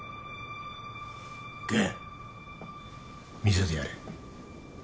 玄見せてやれ。